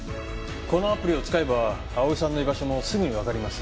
このアプリを使えば蒼さんの居場所もすぐにわかります。